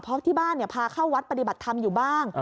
เพราะที่บ้านพาเข้าวัดปฏิบัติธรรมอยู่บ้าง